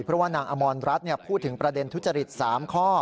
เพราะว่านางอมรรัฐพูดถึงประเด็นทุจริต๓ข้อ